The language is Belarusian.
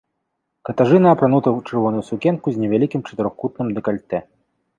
Катажына апранута ў чырвоную сукенку з невялікім чатырохкутным дэкальтэ.